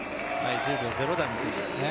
１０秒０台の選手ですね